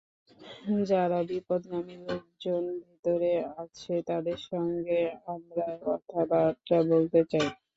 যারা বিপদগামী লোকজন ভেতরে আছে, তাদের সঙ্গে আমরা কথাবার্তা বলতে চাই।